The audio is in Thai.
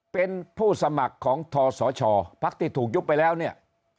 เป็นผู้สมัครของทศชพักที่ถูกยุบไปแล้วเนี่ย